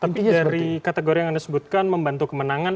tapi dari kategori yang anda sebutkan membantu kemenangan